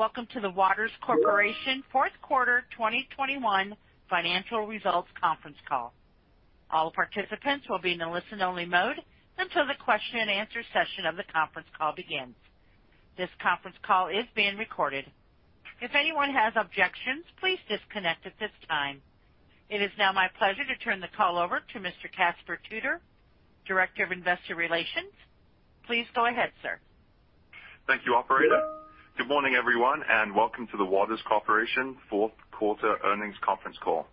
Morning. Welcome to the Waters Corporation fourth quarter 2021 financial results conference call. All participants will be in a listen-only mode until the question and answer session of the conference call begins. This conference call is being recorded. If anyone has objections, please disconnect at this time. It is now my pleasure to turn the call over to Mr. Caspar Tudor, Director of Investor Relations. Please go ahead, sir. Thank you, Operator. Good morning, everyone, and welcome to the Waters Corporation fourth quarter earnings conference call.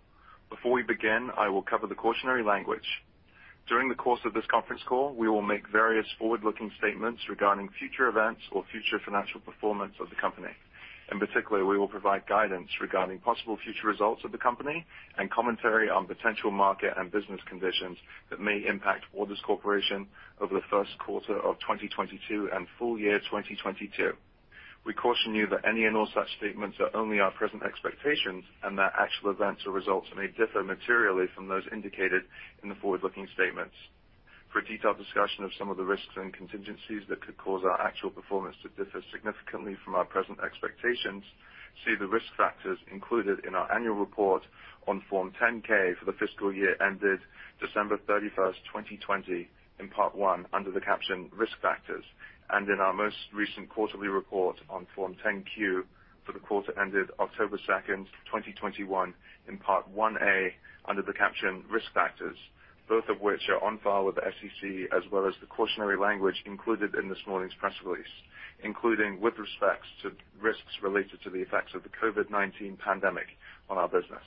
Before we begin, I will cover the cautionary language. During the course of this conference call, we will make various forward-looking statements regarding future events or future financial performance of the company. In particular, we will provide guidance regarding possible future results of the company and commentary on potential market and business conditions that may impact Waters Corporation over the first quarter of 2022 and full year 2022. We caution you that any and all such statements are only our present expectations and that actual events or results may differ materially from those indicated in the forward-looking statements. For a detailed discussion of some of the risks and contingencies that could cause our actual performance to differ significantly from our present expectations, see the risk factors included in our annual report on Form 10-K for the fiscal year ended December 31, 2020, in Part I under the caption Risk Factors, and in our most recent quarterly report on Form 10-Q for the quarter ended October 2, 2021, in Part I-A under the caption Risk Factors, both of which are on file with the SEC, as well as the cautionary language included in this morning's press release, including with respect to risks related to the effects of the COVID-19 pandemic on our business.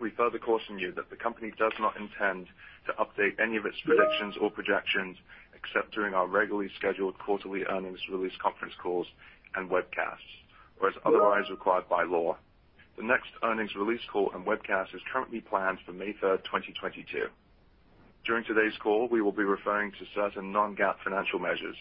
We further caution you that the company does not intend to update any of its predictions or projections except during our regularly scheduled quarterly earnings release conference calls and webcasts, or as otherwise required by law. The next earnings release call and webcast is currently planned for May 3, 2022. During today's call, we will be referring to certain non-GAAP financial measures.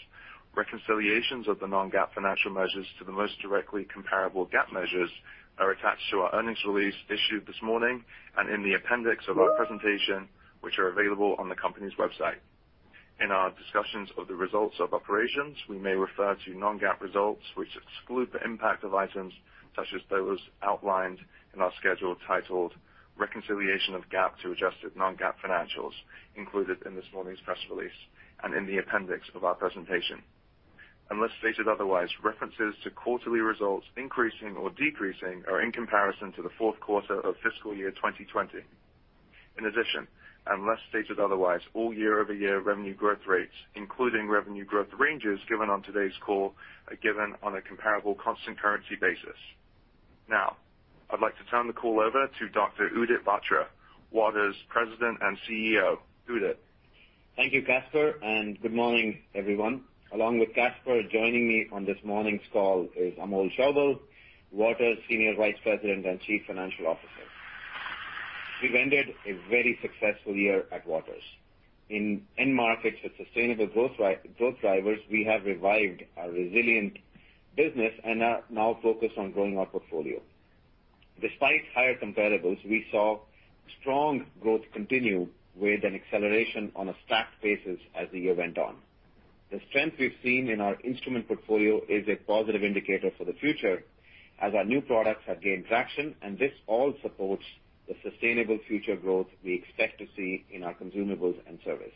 Reconciliations of the non-GAAP financial measures to the most directly comparable GAAP measures are attached to our earnings release issued this morning and in the appendix of our presentation, which are available on the company's website. In our discussions of the results of operations, we may refer to non-GAAP results, which exclude the impact of items such as those outlined in our schedule titled Reconciliation of GAAP to Adjusted Non-GAAP Financials included in this morning's press release and in the appendix of our presentation. Unless stated otherwise, references to quarterly results increasing or decreasing are in comparison to the fourth quarter of fiscal year 2020. In addition, unless stated otherwise, all year-over-year revenue growth rates, including revenue growth ranges given on today's call, are given on a comparable constant currency basis. Now, I'd like to turn the call over to Dr. Udit Batra, Waters President and CEO. Udit. Thank you, Caspar, and good morning, everyone. Along with Caspar, joining me on this morning's call is Amol Chaubal, Waters Senior Vice President and Chief Financial Officer. We've ended a very successful year at Waters. In end markets with sustainable growth drivers, we have revived our resilient business and are now focused on growing our portfolio. Despite higher comparables, we saw strong growth continue with an acceleration on a stacked basis as the year went on. The strength we've seen in our instrument portfolio is a positive indicator for the future as our new products have gained traction, and this all supports the sustainable future growth we expect to see in our consumables and service.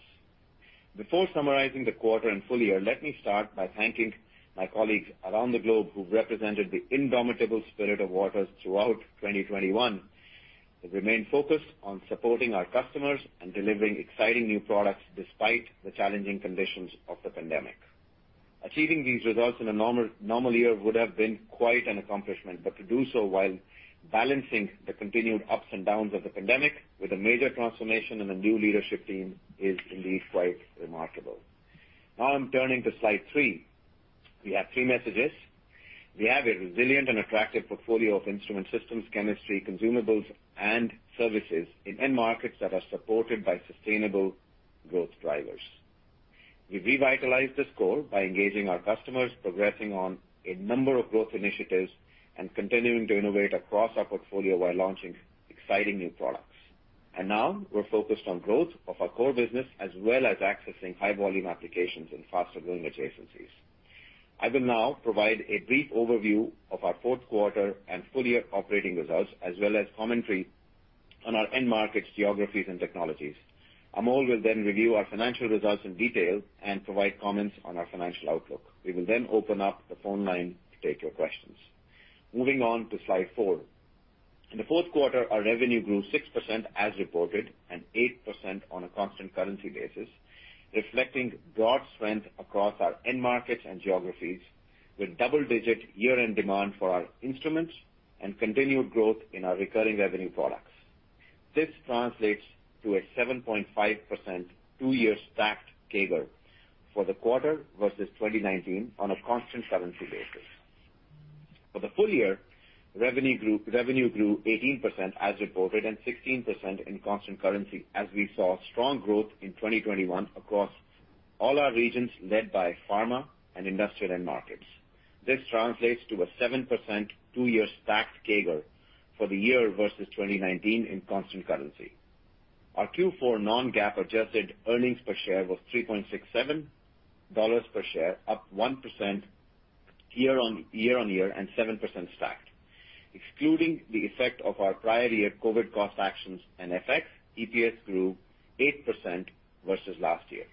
Before summarizing the quarter and full year, let me start by thanking my colleagues around the globe who represented the indomitable spirit of Waters throughout 2021, who remained focused on supporting our customers and delivering exciting new products despite the challenging conditions of the pandemic. Achieving these results in a normal year would have been quite an accomplishment, but to do so while balancing the continued ups and downs of the pandemic with a major transformation and a new leadership team is indeed quite remarkable. Now I'm turning to slide three. We have three messages. We have a resilient and attractive portfolio of instrument systems, chemistry, consumables, and services in end markets that are supported by sustainable growth drivers. We revitalized this core by engaging our customers, progressing on a number of growth initiatives, and continuing to innovate across our portfolio while launching exciting new products. Now we're focused on growth of our core business as well as accessing high volume applications in faster growing adjacencies. I will now provide a brief overview of our fourth quarter and full-year operating results, as well as commentary on our end markets, geographies, and technologies. Amol will then review our financial results in detail and provide comments on our financial outlook. We will then open up the phone line to take your questions. Moving on to slide four. In the fourth quarter, our revenue grew 6% as reported, and 8% on a constant currency basis, reflecting broad strength across our end markets and geographies, with double-digit year-end demand for our instruments and continued growth in our recurring revenue products. This translates to a 7.5% two-year stacked CAGR for the quarter versus 2019 on a constant currency basis. For the full year, revenue grew 18% as reported, and 16% in constant currency as we saw strong growth in 2021 across all our regions led by pharma and industrial end markets. This translates to a 7% two-year stacked CAGR for the year versus 2019 in constant currency. Our Q4 non-GAAP adjusted earnings per share was $3.67 per share, up 1% year-on-year and 7% stacked. Excluding the effect of our prior year COVID cost actions and effects, EPS grew 8% versus last year.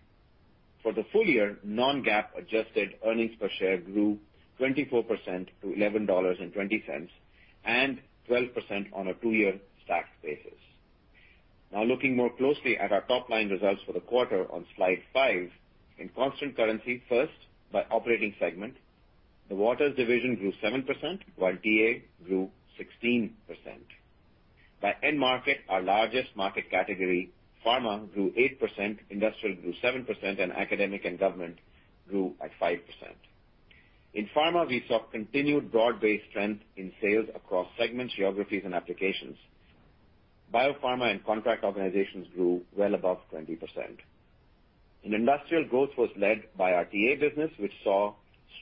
For the full year, non-GAAP adjusted earnings per share grew 24% to $11.20, and 12% on a two-year stacked basis. Now looking more closely at our top-line results for the quarter on slide five, in constant currency, first, by operating segment, the Waters division grew 7%, while TA grew 16%. By end market, our largest market category, pharma grew 8%, industrial grew 7%, and academic and government grew at 5%. In pharma, we saw continued broad-based strength in sales across segments, geographies and applications. Biopharma and contract organizations grew well above 20%. In industrial, growth was led by our TA business, which saw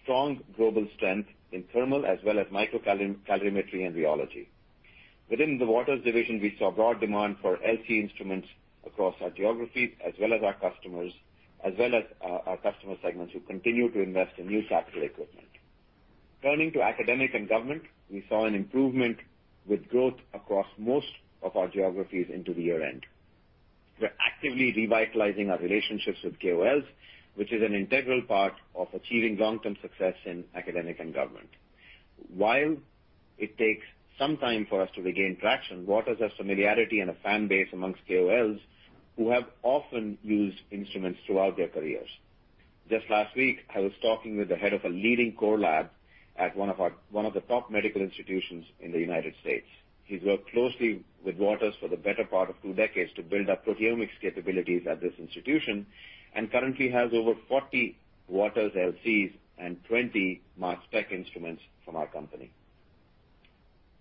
strong global strength in thermal as well as microcalorimetry and rheology. Within the Waters division, we saw broad demand for LC instruments across our geographies as well as our customers, as well as our customer segments who continue to invest in new capital equipment. Turning to academic and government, we saw an improvement with growth across most of our geographies into the year-end. We're actively revitalizing our relationships with KOLs, which is an integral part of achieving long-term success in academic and government. While it takes some time for us to regain traction, Waters has familiarity and a fan base amongst KOLs who have often used instruments throughout their careers. Just last week, I was talking with the head of a leading core lab at one of the top medical institutions in the United States. He's worked closely with Waters for the better part of two decades to build up proteomics capabilities at this institution, and currently has over 40 Waters LCs and 20 mass spec instruments from our company.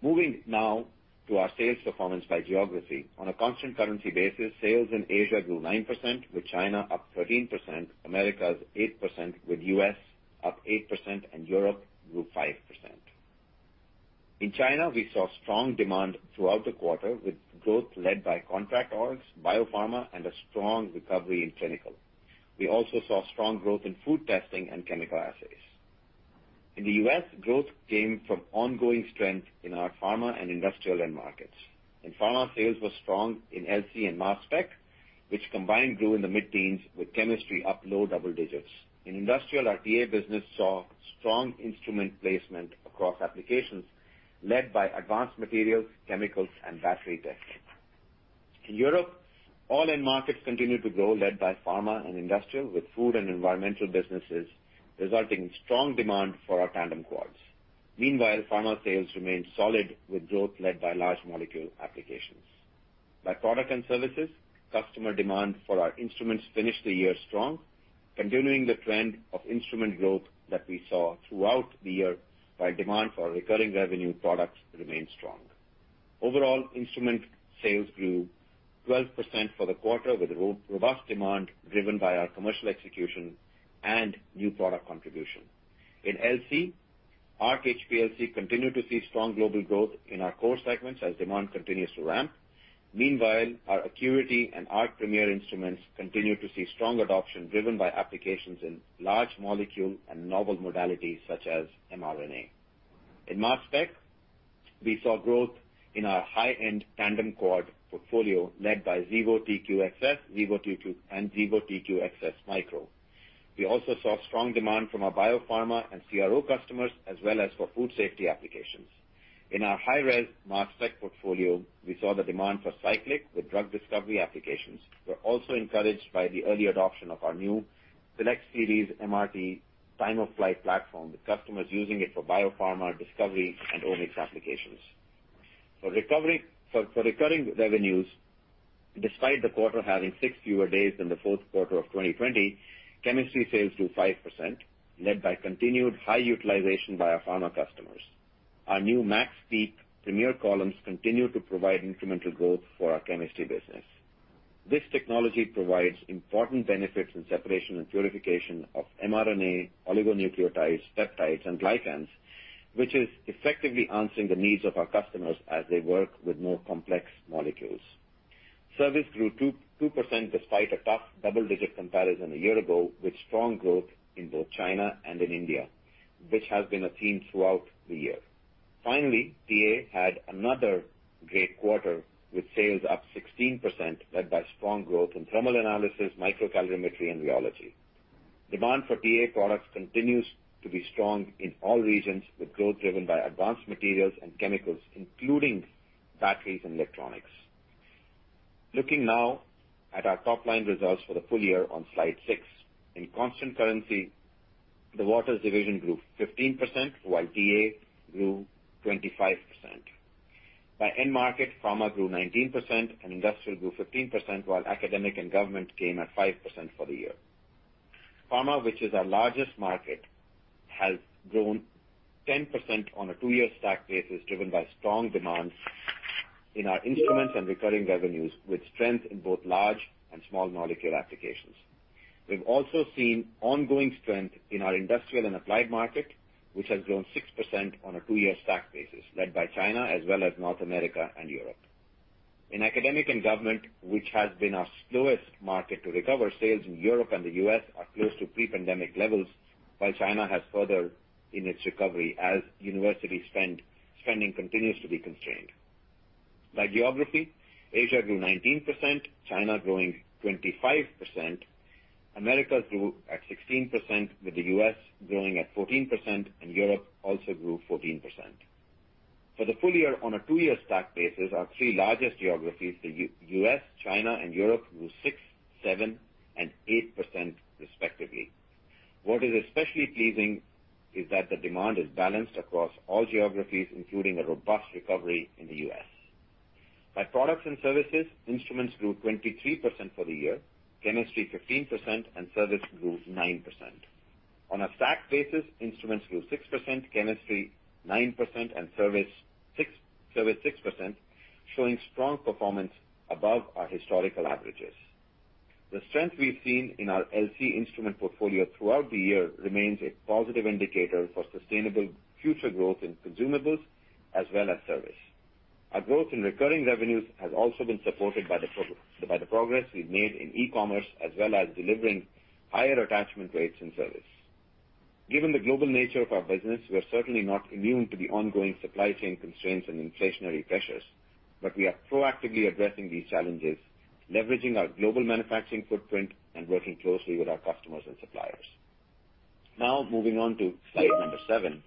Moving now to our sales performance by geography. On a constant currency basis, sales in Asia grew 9%, with China up 13%, Americas 8%, with U.S. up 8% and Europe grew 5%. In China, we saw strong demand throughout the quarter, with growth led by contract orgs, biopharma and a strong recovery in clinical. We also saw strong growth in food testing and chemical assays. In the U.S., growth came from ongoing strength in our pharma and industrial end markets. In pharma, sales were strong in LC and mass spec, which combined grew in the mid-teens with chemistry up low double digits. In industrial, our TA business saw strong instrument placement across applications, led by advanced materials, chemicals and battery tests. In Europe, all end markets continued to grow, led by pharma and industrial, with food and environmental businesses resulting in strong demand for our tandem quads. Meanwhile, pharma sales remained solid with growth led by large molecule applications. By product and services, customer demand for our instruments finished the year strong, continuing the trend of instrument growth that we saw throughout the year, while demand for recurring revenue products remained strong. Overall, instrument sales grew 12% for the quarter, with robust demand driven by our commercial execution and new product contribution. In LC, Arc HPLC continued to see strong global growth in our core segments as demand continues to ramp. Meanwhile, our ACQUITY and Arc Premier instruments continued to see strong adoption driven by applications in large molecule and novel modalities such as mRNA. In mass spec, we saw growth in our high-end tandem quad portfolio led by Xevo TQ-XS, Xevo TQ-S, and Xevo TQ-XS Micro. We also saw strong demand from our biopharma and CRO customers as well as for food safety applications. In our high-res mass spec portfolio, we saw the demand for cyclic with drug discovery applications. We're also encouraged by the early adoption of our new SELECT SERIES MRT time-of-flight platform, with customers using it for biopharma discovery and omics applications. For recurring revenues, despite the quarter having six fewer days than the fourth quarter of 2020, chemistry sales grew 5%, led by continued high utilization by our pharma customers. Our new MaxPeak Premier columns continue to provide incremental growth for our chemistry business. This technology provides important benefits in separation and purification of mRNA, oligonucleotides, peptides and glycans, which is effectively answering the needs of our customers as they work with more complex molecules. Service grew 2% despite a tough double-digit comparison a year ago, with strong growth in both China and in India, which has been a theme throughout the year. Finally, TA had another great quarter, with sales up 16%, led by strong growth in thermal analysis, microcalorimetry and rheology. Demand for TA products continues to be strong in all regions, with growth driven by advanced materials and chemicals, including batteries and electronics. Looking now at our top-line results for the full year on slide six. In constant currency, the Waters division grew 15%, while TA grew 25%. By end market, pharma grew 19% and industrial grew 15%, while academic and government came at 5% for the year. Pharma, which is our largest market, has grown 10% on a two-year stacked basis, driven by strong demands in our instruments and recurring revenues, with strength in both large and small molecule applications. We've also seen ongoing strength in our industrial and applied market, which has grown 6% on a two-year stack basis, led by China as well as North America and Europe. In academic and government, which has been our slowest market to recover, sales in Europe and the U.S. are close to pre-pandemic levels, while China has further in its recovery as university spending continues to be constrained. By geography, Asia grew 19%, China growing 25%. America grew at 16%, with the U.S. growing at 14%, and Europe also grew 14%. For the full year on a two-year stack basis, our three largest geographies, the U.S., China, and Europe, grew 6%, 7%, and 8% respectively. What is especially pleasing is that the demand is balanced across all geographies, including a robust recovery in the U.S. By products and services, instruments grew 23% for the year, chemistry 15%, and service grew 9%. On a stack basis, instruments grew 6%, chemistry 9%, and service grew 6%, showing strong performance above our historical averages. The strength we've seen in our LC instrument portfolio throughout the year remains a positive indicator for sustainable future growth in consumables as well as service. Our growth in recurring revenues has also been supported by the progress we've made in e-commerce, as well as delivering higher attachment rates and service. Given the global nature of our business, we are certainly not immune to the ongoing supply chain constraints and inflationary pressures, but we are proactively addressing these challenges, leveraging our global manufacturing footprint and working closely with our customers and suppliers. Now moving on to slide number seven.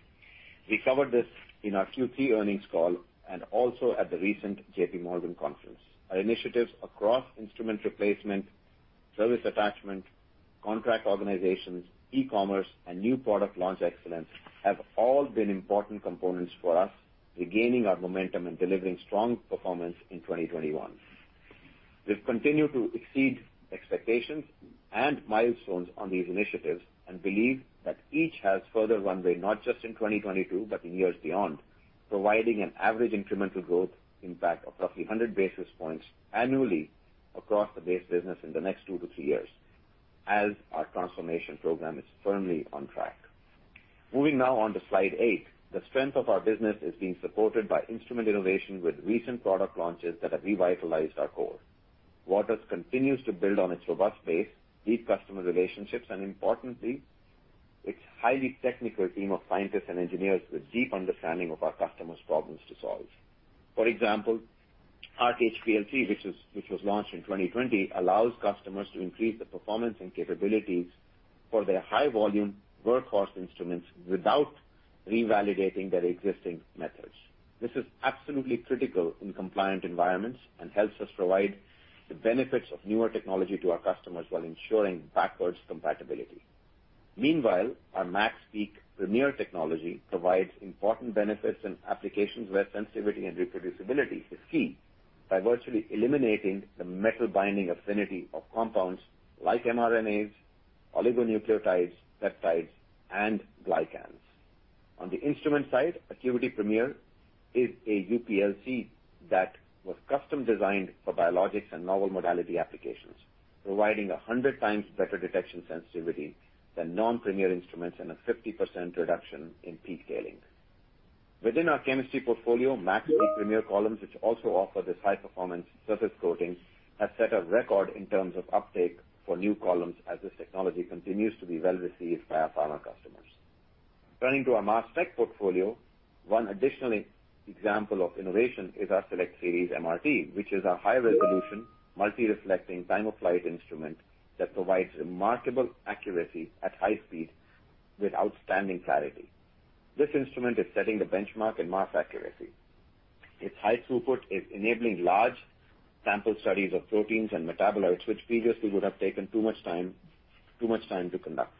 We covered this in our Q3 earnings call and also at the recent JPMorgan conference. Our initiatives across instrument replacement, service attachment, contract organizations, e-commerce, and new product launch excellence have all been important components for us, regaining our momentum and delivering strong performance in 2021. We've continued to exceed expectations and milestones on these initiatives and believe that each has further runway, not just in 2022, but in years beyond, providing an average incremental growth impact of roughly 100 basis points annually across the base business in the next 2-3 years, as our transformation program is firmly on track. Moving now on to slide eight. The strength of our business is being supported by instrument innovation with recent product launches that have revitalized our core. Waters continues to build on its robust base, deep customer relationships, and importantly, its highly technical team of scientists and engineers with deep understanding of our customers' problems to solve. For example, our HPLC, which was launched in 2020, allows customers to increase the performance and capabilities for their high-volume workhorse instruments without revalidating their existing methods. This is absolutely critical in compliant environments and helps us provide the benefits of newer technology to our customers while ensuring backwards compatibility. Meanwhile, our MaxPeak HPS technology provides important benefits in applications where sensitivity and reproducibility is key by virtually eliminating the metal binding affinity of compounds like mRNAs, oligonucleotides, peptides, and glycans. On the instrument side, ACQUITY Premier is a UPLC that was custom-designed for biologics and novel modality applications, providing 100 times better detection sensitivity than non-premier instruments and a 50% reduction in peak tailing. Within our chemistry portfolio, MaxPeak Premier columns, which also offer this high-performance surface coating, have set a record in terms of uptake for new columns as this technology continues to be well received by our pharma customers. Turning to our mass spec portfolio, one additional example of innovation is our SELECT SERIES MRT, which is a high-resolution multi-reflecting time-of-flight instrument that provides remarkable accuracy at high speed with outstanding clarity. This instrument is setting the benchmark in mass accuracy. Its high throughput is enabling large sample studies of proteins and metabolites, which previously would have taken too much time to conduct.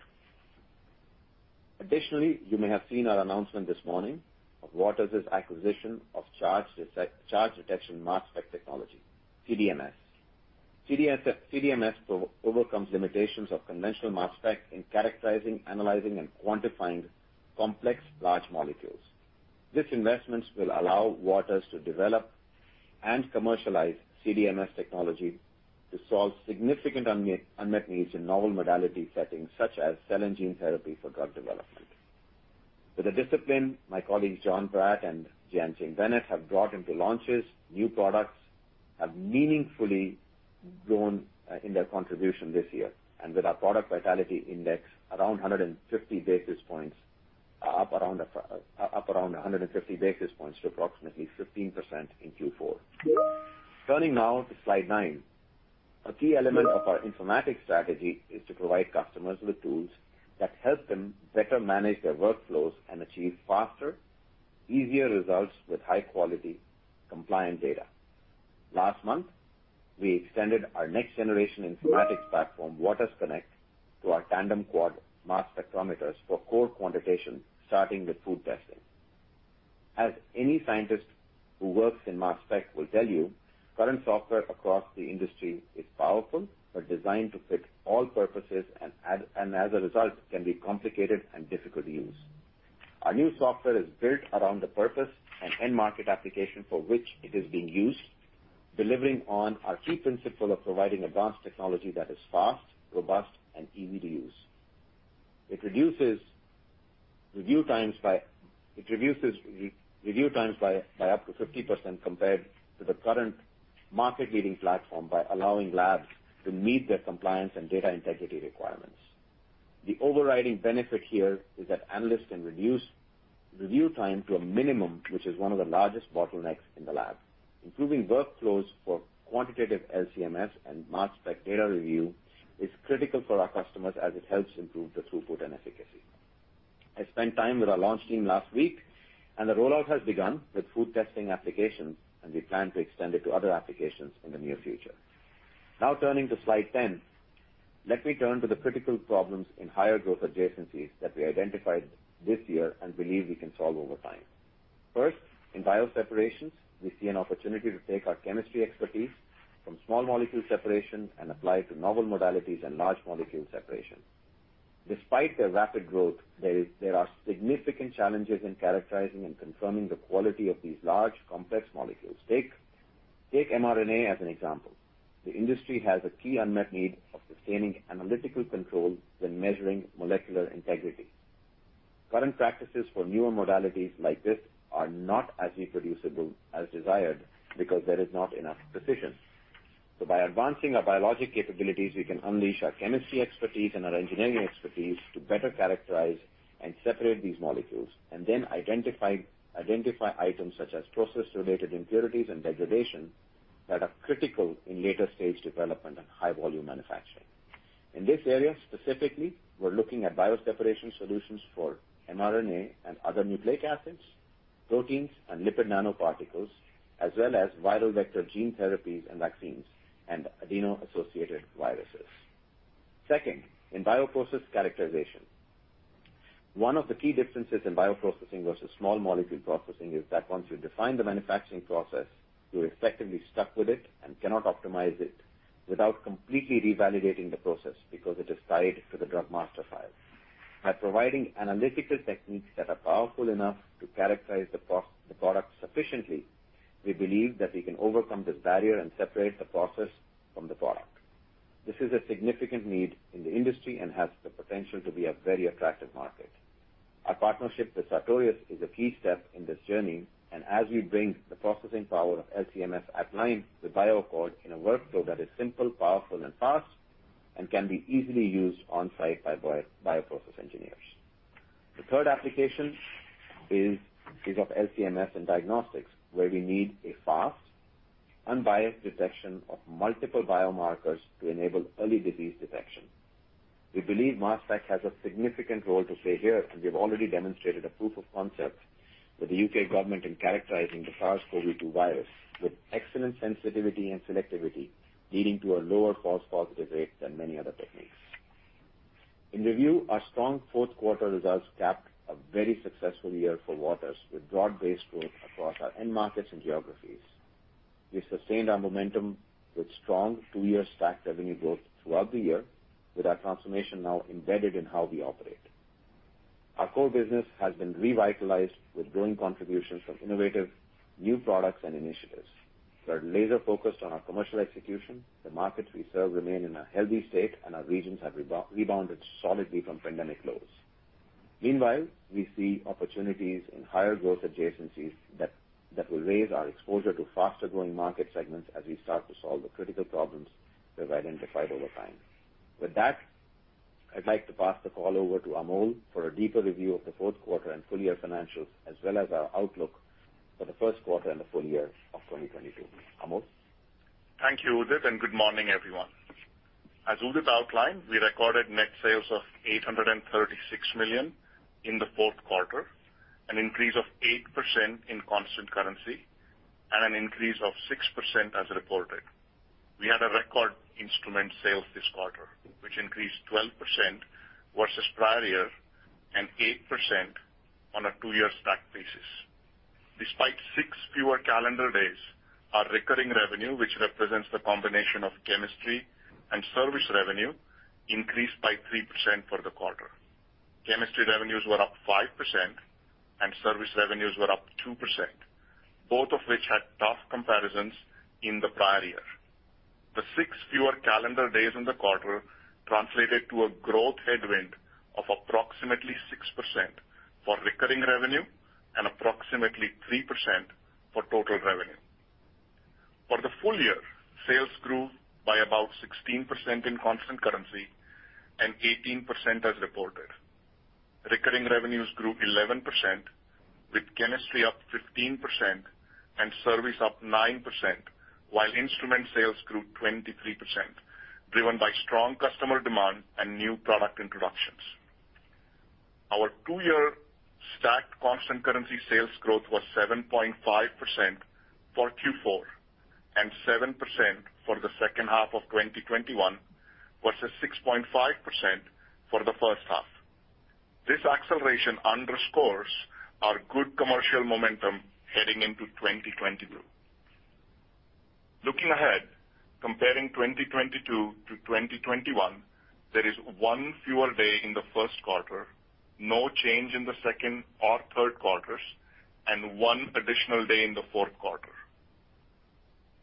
Additionally, you may have seen our announcement this morning of Waters' acquisition of charge detection mass spec technology, CDMS. CDMS overcomes limitations of conventional mass spec in characterizing, analyzing, and quantifying complex large molecules. This investments will allow Waters to develop and commercialize CDMS technology to solve significant unmet needs in novel modality settings such as cell and gene therapy for drug development. With the discipline my colleagues Jon Pratt and Jianqing Bennett have brought into launches, new products have meaningfully grown in their contribution this year. With our product vitality index around 150 basis points up around 150 basis points to approximately 15% in Q4. Turning now to slide nine. A key element of our informatics strategy is to provide customers with tools that help them better manage their workflows and achieve faster, easier results with high-quality compliant data. Last month, we extended our next-generation informatics platform, waters_connect, to our tandem quadrupole mass spectrometers for core quantitation, starting with food testing. As any scientist who works in mass spec will tell you, current software across the industry is powerful but designed to fit all purposes and, as a result, can be complicated and difficult to use. Our new software is built around the purpose and end market application for which it is being used, delivering on our key principle of providing advanced technology that is fast, robust, and easy to use. It reduces re-review times by up to 50% compared to the current market-leading platform by allowing labs to meet their compliance and data integrity requirements. The overriding benefit here is that analysts can reduce review time to a minimum, which is one of the largest bottlenecks in the lab. Improving workflows for quantitative LC-MS and mass spec data review is critical for our customers as it helps improve the throughput and efficacy. I spent time with our launch team last week, and the rollout has begun with food testing applications, and we plan to extend it to other applications in the near future. Now turning to slide 10. Let me turn to the critical problems in higher growth adjacencies that we identified this year and believe we can solve over time. First, in bioseparations, we see an opportunity to take our chemistry expertise from small molecule separation and apply it to novel modalities and large molecule separation. Despite their rapid growth, there are significant challenges in characterizing and confirming the quality of these large, complex molecules. Take mRNA as an example. The industry has a key unmet need of sustaining analytical control when measuring molecular integrity. Current practices for newer modalities like this are not as reproducible as desired because there is not enough precision. By advancing our biologic capabilities, we can unleash our chemistry expertise and our engineering expertise to better characterize and separate these molecules, and then identify items such as process-related impurities and degradation that are critical in later stage development and high volume manufacturing. In this area specifically, we're looking at bioseparation solutions for mRNA and other nucleic acids, proteins, and lipid nanoparticles, as well as viral vector gene therapies, vaccines, and adeno-associated viruses. Second, in bioprocess characterization, one of the key differences in bioprocessing versus small molecule processing is that once you define the manufacturing process, you're effectively stuck with it and cannot optimize it without completely revalidating the process because it is tied to the drug master file. By providing analytical techniques that are powerful enough to characterize the product sufficiently, we believe that we can overcome this barrier and separate the process from the product. This is a significant need in the industry and has the potential to be a very attractive market. Our partnership with Sartorius is a key step in this journey, and as we bring the processing power of LC-MS online with BioAccord in a workflow that is simple, powerful, and fast and can be easily used on-site by bioprocess engineers. The third application is of LC-MS and diagnostics, where we need a fast, unbiased detection of multiple biomarkers to enable early disease detection. We believe mass spec has a significant role to play here, and we have already demonstrated a proof of concept with the U.K. government in characterizing the SARS-CoV-2 virus with excellent sensitivity and selectivity, leading to a lower false positive rate than many other techniques. In review, our strong fourth quarter results capped a very successful year for Waters with broad-based growth across our end markets and geographies. We sustained our momentum with strong two-year stacked revenue growth throughout the year, with our transformation now embedded in how we operate. Our core business has been revitalized with growing contributions from innovative new products and initiatives. We are laser-focused on our commercial execution. The markets we serve remain in a healthy state, and our regions have rebounded solidly from pandemic lows. Meanwhile, we see opportunities in higher growth adjacencies that will raise our exposure to faster-growing market segments as we start to solve the critical problems we've identified over time. With that, I'd like to pass the call over to Amol for a deeper review of the fourth quarter and full year financials, as well as our outlook for the first quarter and the full year of 2022. Amol? Thank you, Udit, and good morning, everyone. As Udit outlined, we recorded net sales of $836 million in the fourth quarter, an increase of 8% in constant currency and an increase of 6% as reported. We had a record instrument sale this quarter, which increased 12% versus prior year and 8% on a two-year stacked basis. Despite six fewer calendar days, our recurring revenue, which represents the combination of chemistry and service revenue, increased by 3% for the quarter. Chemistry revenues were up 5% and service revenues were up 2%, both of which had tough comparisons in the prior year. The six fewer calendar days in the quarter translated to a growth headwind of approximately 6% for recurring revenue and approximately 3% for total revenue. For the full year, sales grew by about 16% in constant currency and 18% as reported. Recurring revenues grew 11%, with chemistry up 15% and service up 9%, while instrument sales grew 23%, driven by strong customer demand and new product introductions. Our two-year stacked constant currency sales growth was 7.5% for Q4 and 7% for the second half of 2021 versus 6.5% for the first half. This acceleration underscores our good commercial momentum heading into 2022. Looking ahead, comparing 2022 to 2021, there is one fewer day in the first quarter, no change in the second or third quarters, and one additional day in the fourth quarter.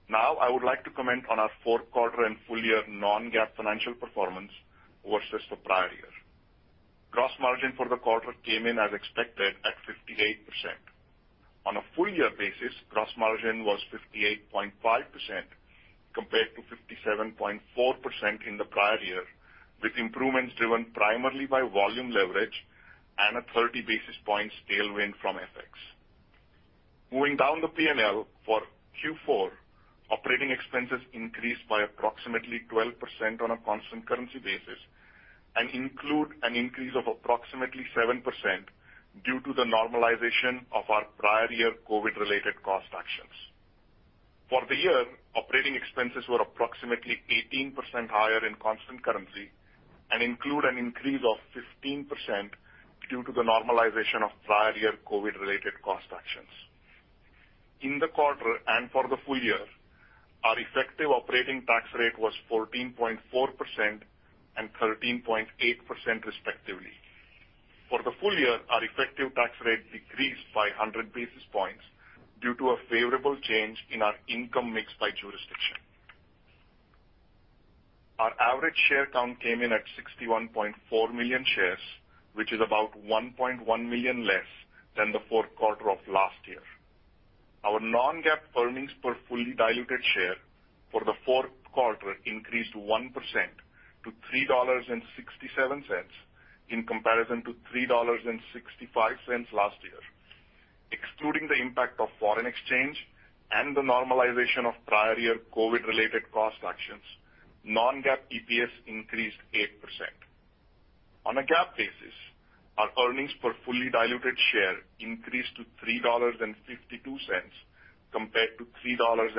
Now I would like to comment on our fourth quarter and full year non-GAAP financial performance versus the prior year. Gross margin for the quarter came in as expected at 58%. On a full year basis, gross margin was 58.5% compared to 57.4% in the prior year, with improvements driven primarily by volume leverage and a 30 basis points tailwind from FX. Moving down the P&L for Q4, operating expenses increased by approximately 12% on a constant currency basis and include an increase of approximately 7% due to the normalization of our prior year COVID-related cost actions. For the year, operating expenses were approximately 18% higher in constant currency and include an increase of 15% due to the normalization of prior year COVID-related cost actions. In the quarter and for the full year, our effective operating tax rate was 14.4% and 13.8% respectively. For the full year, our effective tax rate decreased by 100 basis points due to a favorable change in our income mix by jurisdiction. Our average share count came in at 61.4 million shares, which is about 1.1 million less than the fourth quarter of last year. Our non-GAAP earnings per fully diluted share for the fourth quarter increased 1% to $3.67 in comparison to $3.65 last year. Excluding the impact of foreign exchange and the normalization of prior year COVID-related cost actions, non-GAAP EPS increased 8%. On a GAAP basis, our earnings per fully diluted share increased to $3.52 compared to $3.49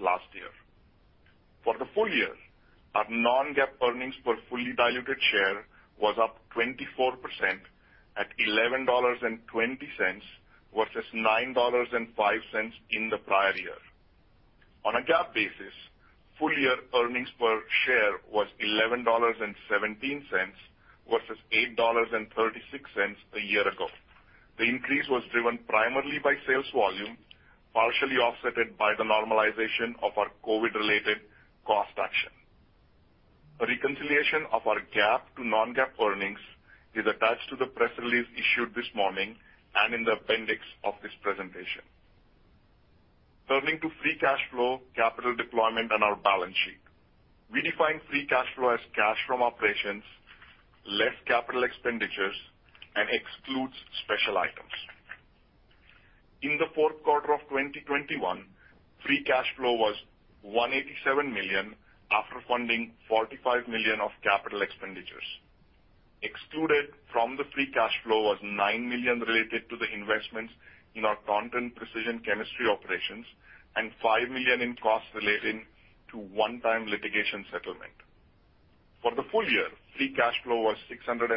last year. For the full year, our non-GAAP earnings per fully diluted share was up 24% at $11.20 versus $9.05 in the prior year. On a GAAP basis, full year earnings per share was $11.17 versus $8.36 a year ago. The increase was driven primarily by sales volume, partially offset by the normalization of our COVID-related cost action. A reconciliation of our GAAP to non-GAAP earnings is attached to the press release issued this morning and in the appendix of this presentation. Turning to free cash flow, capital deployment, and our balance sheet. We define free cash flow as cash from operations, less capital expenditures, and excludes special items. In the fourth quarter of 2021, free cash flow was $187 million, after funding $45 million of capital expenditures. Excluded from the free cash flow was $9 million related to the investments in our Taunton precision chemistry operations and $5 million in costs relating to one-time litigation settlement. For the full year, free cash flow was $675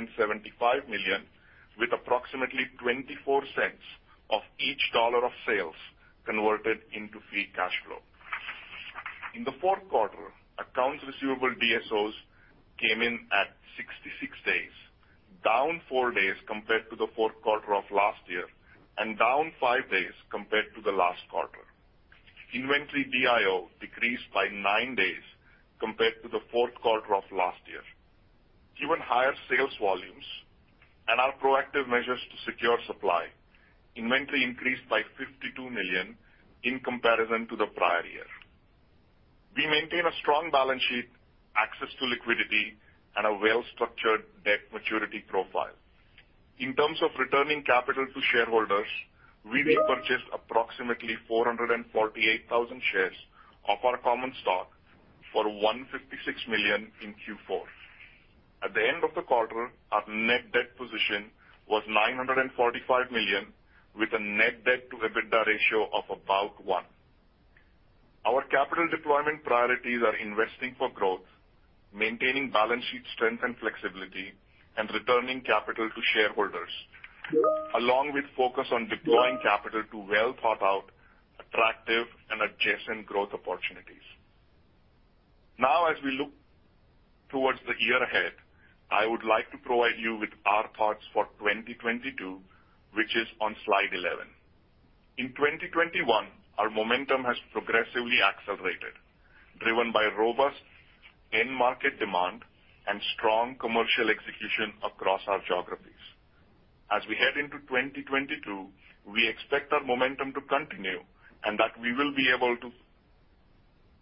million, with approximately 24 cents of each dollar of sales converted into free cash flow. In the fourth quarter, accounts receivable DSOs came in at 66 days, down four days compared to the fourth quarter of last year and down five days compared to the last quarter. Inventory DIO decreased by nine days compared to the fourth quarter of last year. Given higher sales volumes and our proactive measures to secure supply, inventory increased by $52 million in comparison to the prior year. We maintain a strong balance sheet, access to liquidity, and a well-structured debt maturity profile. In terms of returning capital to shareholders, we repurchased approximately 448,000 shares of our common stock for $156 million in Q4. At the end of the quarter, our net debt position was $945 million, with a net debt to EBITDA ratio of about one. Our capital deployment priorities are investing for growth, maintaining balance sheet strength and flexibility, and returning capital to shareholders, along with focus on deploying capital to well-thought-out, attractive and adjacent growth opportunities. Now, as we look towards the year ahead, I would like to provide you with our thoughts for 2022, which is on slide 11. In 2021, our momentum has progressively accelerated, driven by robust end market demand and strong commercial execution across our geographies. As we head into 2022, we expect our momentum to continue and that we will be able to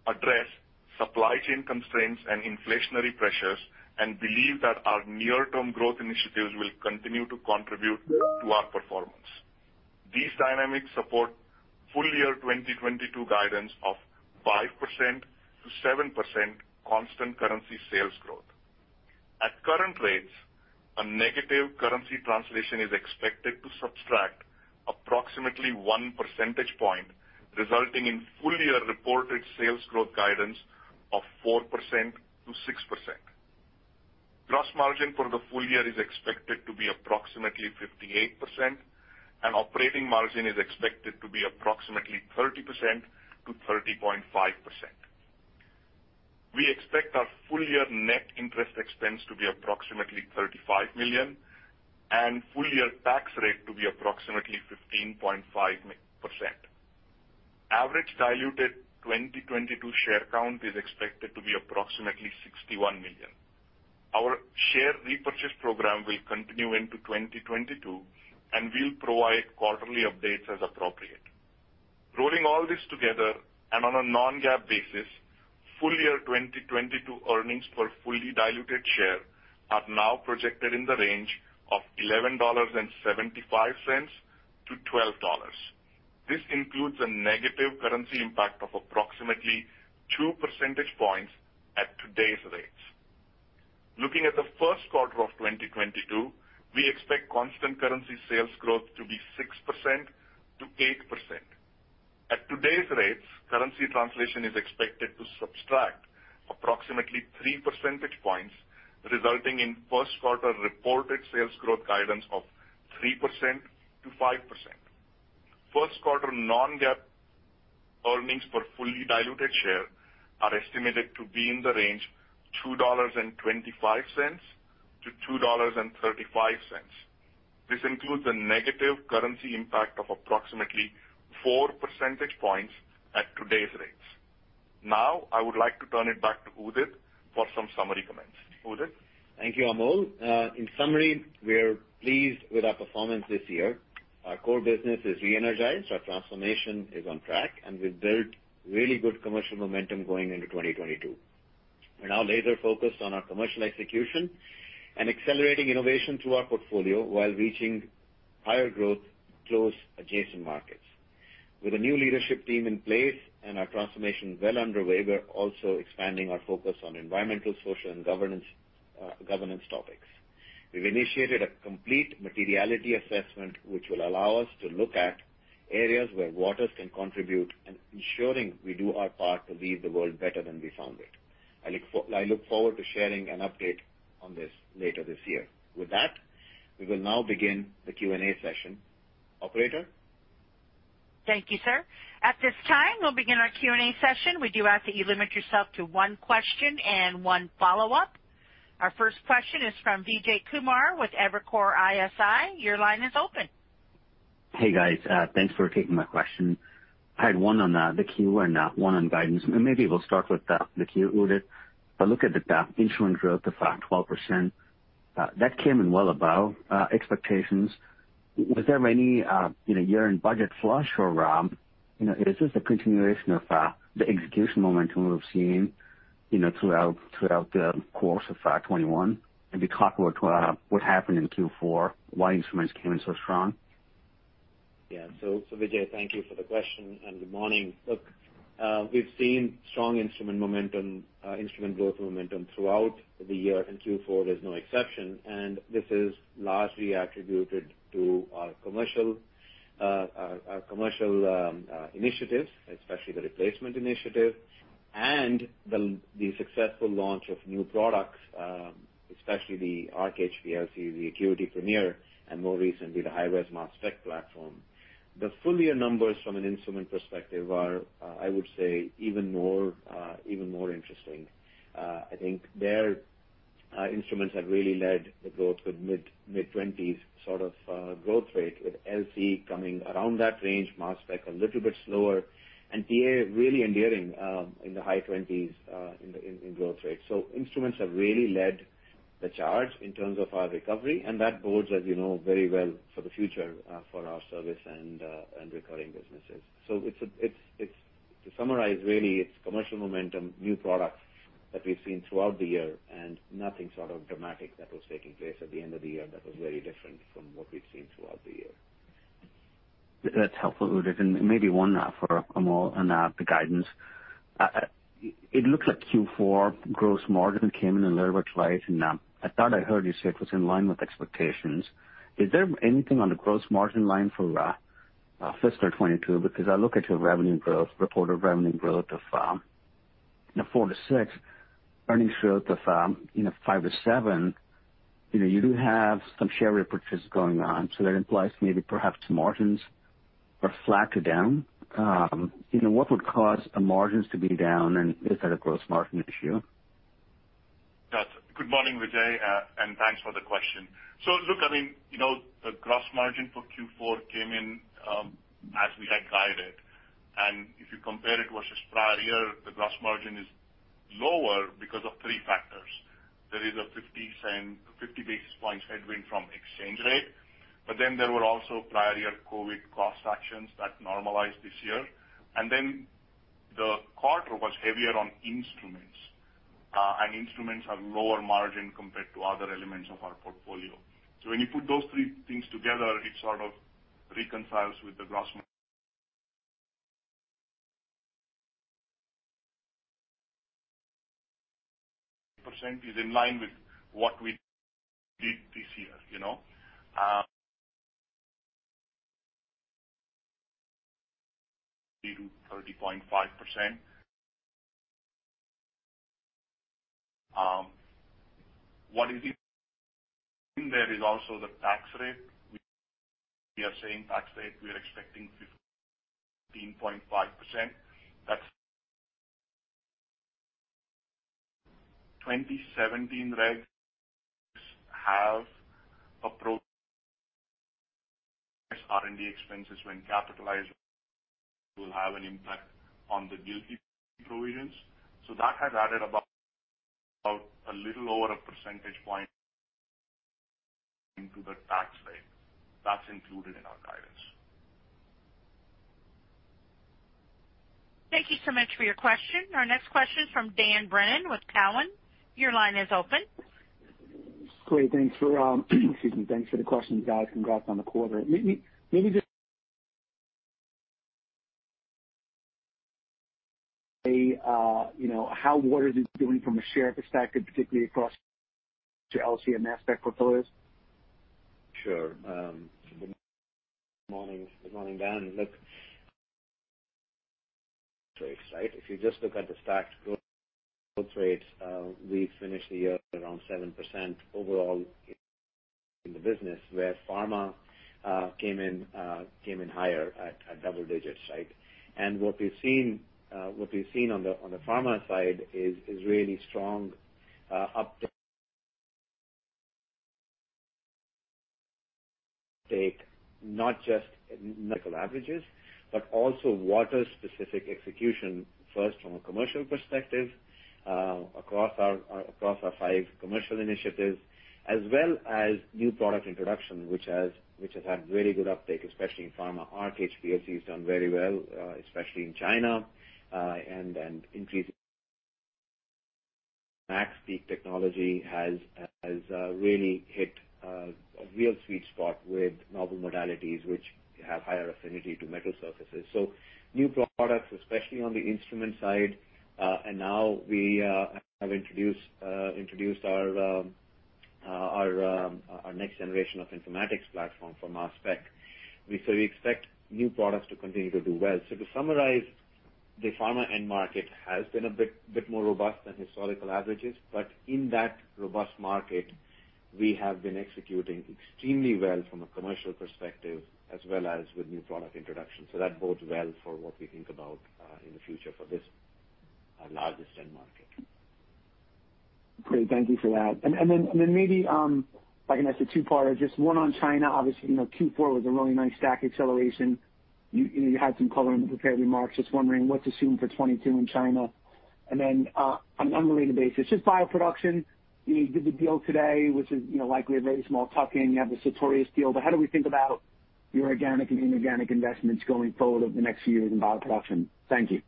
address supply chain constraints and inflationary pressures and believe that our near-term growth initiatives will continue to contribute to our performance. These dynamics support full year 2022 guidance of 5%-7% constant currency sales growth. At current rates, a negative currency translation is expected to subtract approximately 1 percentage point, resulting in full year reported sales growth guidance of 4%-6%. Gross margin for the full year is expected to be approximately 58%, and operating margin is expected to be approximately 30%-30.5%. We expect our full year net interest expense to be approximately $35 million and full year tax rate to be approximately 15.5%. Average diluted 2022 share count is expected to be approximately 61 million. Our share repurchase program will continue into 2022, and we'll provide quarterly updates as appropriate. Rolling all this together and on a non-GAAP basis, full year 2022 earnings per fully diluted share are now projected in the range of $11.75-$12. This includes a negative currency impact of approximately 2 percentage points at today's rates. Looking at the first quarter of 2022, we expect constant currency sales growth to be 6%-8%. At today's rates, currency translation is expected to subtract approximately 3 percentage points, resulting in first quarter reported sales growth guidance of 3%-5%. First quarter non-GAAP earnings per fully diluted share are estimated to be in the range $2.25-$2.35. This includes a negative currency impact of approximately 4 percentage points at today's rates. Now I would like to turn it back to Udit for some summary comments. Udit? Thank you, Amol. In summary, we are pleased with our performance this year. Our core business is re-energized, our transformation is on track, and we've built really good commercial momentum going into 2022. We're now laser focused on our commercial execution and accelerating innovation through our portfolio while reaching higher growth close adjacent markets. With a new leadership team in place and our transformation well underway, we're also expanding our focus on environmental, social, and governance topics. We've initiated a complete materiality assessment, which will allow us to look at areas where Waters can contribute, and ensuring we do our part to leave the world better than we found it. I look forward to sharing an update on this later this year. With that, we will now begin the Q&A session. Operator? Our first question is from Vijay Kumar with Evercore ISI. Your line is open. Hey, guys. Thanks for taking my question. I had one on the Q and one on guidance. Maybe we'll start with the Q, Udit. Look at the instrument growth of 12% that came in well above expectations. Was there any, you know, year-end budget flush or, you know, is this a continuation of the execution momentum we've seen, you know, throughout the course of 2021? Be clear what happened in Q4, why instruments came in so strong. Yeah, Vijay, thank you for the question, and good morning. Look, we've seen strong instrument growth momentum throughout the year, and Q4 is no exception. This is largely attributed to our commercial initiatives, especially the replacement initiative and the successful launch of new products, especially the Arc HPLC, the ACQUITY Premier, and more recently, the high-res mass spec platform. The full year numbers from an instrument perspective are, I would say, even more interesting. I think our instruments have really led the growth with mid-20s% sort of growth rate, with LC coming around that range, mass spec a little bit slower, and TA really in the high 20s% in the growth rate. Instruments have really led the charge in terms of our recovery, and that bodes, as you know, very well for the future, for our service and recurring businesses. It's to summarize really, it's commercial momentum, new products that we've seen throughout the year, and nothing sort of dramatic that was taking place at the end of the year that was very different from what we've seen throughout the year. That's helpful, Udit. Maybe one for Amol on the guidance. It looks like Q4 gross margin came in a little bit light, and I thought I heard you say it was in line with expectations. Is there anything on the gross margin line for FY 2022? Because I look at your revenue growth, reported revenue growth of 4%-6%, earnings growth of 5%-7%. You know, you do have some share repurchases going on, so that implies maybe perhaps margins are flat to down. What would cause our margins to be down, and is that a gross margin issue? Good morning, Vijay, and thanks for the question. Look, I mean, you know, the gross margin for Q4 came in as we had guided. If you compare it versus prior year, the gross margin is lower because of three factors. There is a 50 basis points headwind from exchange rate, but then there were also prior year COVID cost actions that normalized this year. The quarter was heavier on instruments, and instruments have lower margin compared to other elements of our portfolio. When you put those three things together, it sort of reconciles with the gross margin percent is in line with what we did this year, you know? 30%-30.5%. What is in there is also the tax rate. We are saying tax rate, we are expecting 15.5%. That's 2017 regs have required R&D expenses when capitalized will have an impact on the GILTI provisions. That has added about a little over a percentage point into the tax rate that's included in our guidance. Thank you so much for your question. Our next question is from Dan Brennan with Cowen. Your line is open. Great. Thanks for, excuse me, thanks for the question, guys. Congrats on the quarter. Maybe just a, you know, how Waters is doing from a share perspective, particularly across to LC and mass spec portfolios. Sure. Good morning. Good morning, Dan. Look. So excited. If you just look at the stacked growth rates, we finished the year around 7% overall in the business where pharma came in higher at double digits, right? What we've seen on the pharma side is really strong uptake, not just market averages, but also Waters-specific execution, first from a commercial perspective, across our five commercial initiatives, as well as new product introduction, which has had really good uptake, especially in pharma. Arc HPLC has done very well, especially in China, and increasing MaxPeak technology has really hit a real sweet spot with novel modalities which have higher affinity to metal surfaces. New products, especially on the instrument side, and now we have introduced our next generation of informatics platform for mass spec. We expect new products to continue to do well. To summarize, the pharma end market has been a bit more robust than historical averages. In that robust market, we have been executing extremely well from a commercial perspective as well as with new product introduction. That bodes well for what we think about in the future for this largest end market. Great. Thank you for that. Then maybe if I can ask a two-parter, just one on China, obviously, you know, Q4 was a really nice strong acceleration. You had some color in the prepared remarks. Just wondering what to assume for 2022 in China. Then on an unrelated basis, just bioproduction. You did the deal today, which is, you know, likely a very small tuck-in. You have the Sartorius deal, but how do we think about your organic and inorganic investments going forward over the next few years in bioproduction? Thank you.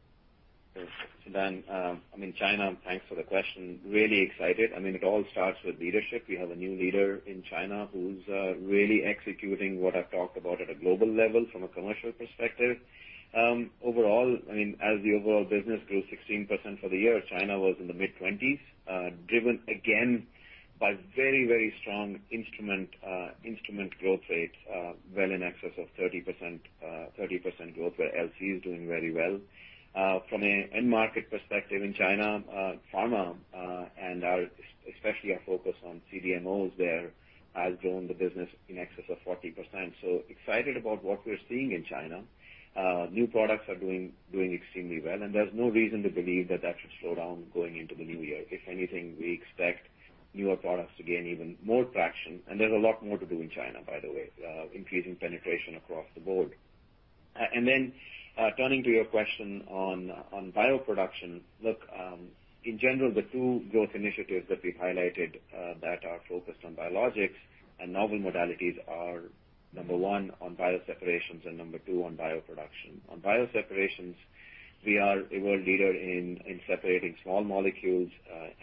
Sure. Dan, I mean, China, thanks for the question. Really excited. I mean, it all starts with leadership. We have a new leader in China who's really executing what I've talked about at a global level from a commercial perspective. Overall, I mean, as the overall business grew 16% for the year, China was in the mid-20s%, driven again by very, very strong instrument growth rates, well in excess of 30%, 30% growth, where LC is doing very well. From an end market perspective in China, pharma, and our, especially our focus on CDMOs there, has grown the business in excess of 40%. Excited about what we're seeing in China. New products are doing extremely well, and there's no reason to believe that should slow down going into the new year. If anything, we expect newer products to gain even more traction. There's a lot more to do in China, by the way, increasing penetration across the board. Turning to your question on bioproduction. Look, in general, the two growth initiatives that we've highlighted that are focused on biologics and novel modalities are number one on bioseparations and number two on bioproduction. On bioseparations, we are a world leader in separating small molecules,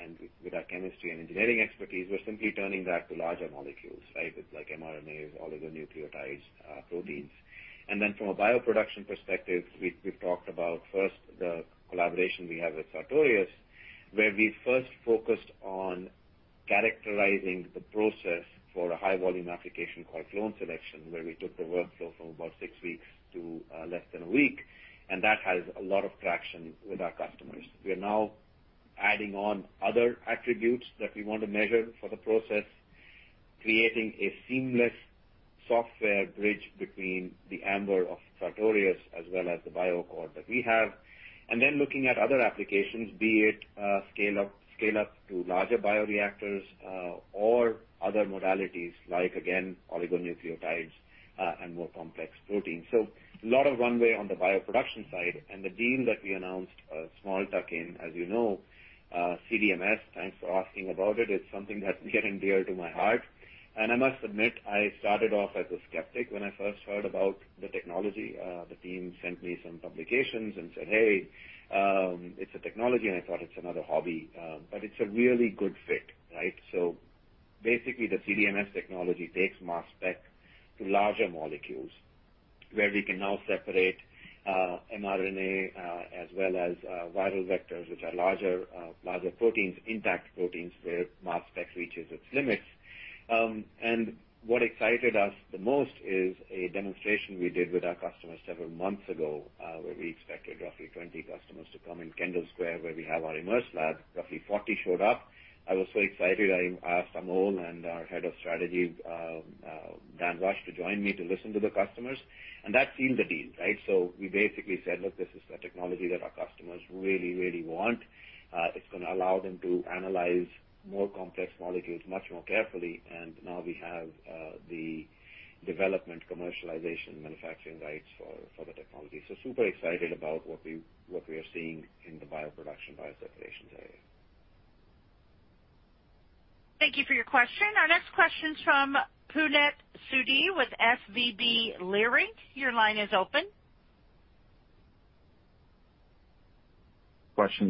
and with our chemistry and engineering expertise, we're simply turning that to larger molecules, right? It's like mRNAs, oligonucleotides, proteins. Then from a bioproduction perspective, we've talked about first the collaboration we have with Sartorius, where we first focused on characterizing the process for a high volume application called clone selection, where we took the workflow from about six weeks to less than a week, and that has a lot of traction with our customers. We are now adding on other attributes that we want to measure for the process, creating a seamless software bridge between the Ambr of Sartorius as well as the BioAccord that we have. Then looking at other applications, be it scale up to larger bioreactors, or other modalities like, again, oligonucleotides, and more complex proteins. So a lot of runway on the bioproduction side. The deal that we announced, a small tuck in, as you know, CDMS, thanks for asking about it. It's something that's getting dear to my heart. I must admit, I started off as a skeptic when I first heard about the technology. The team sent me some publications and said, "Hey, it's a technology." I thought, it's another hobby, but it's a really good fit, right? Basically, the CDMS technology takes mass spec to larger molecules where we can now separate mRNA as well as viral vectors, which are larger proteins, intact proteins, where mass spec reaches its limits. What excited us the most is a demonstration we did with our customers several months ago, where we expected roughly 20 customers to come in Kendall Square, where we have our Immerse lab. Roughly 40 showed up. I was so excited, I asked Amol and our Head of Strategy, Dan Rush to join me to listen to the customers. That sealed the deal, right? We basically said, "Look, this is the technology that our customers really, really want. It's gonna allow them to analyze more complex molecules much more carefully." Now we have the development, commercialization, manufacturing rights for the technology. Super excited about what we are seeing in the bioproduction, bioseparations area. Thank you for your question. Our next question's from Puneet Souda with SVB Leerink. Your line is open. First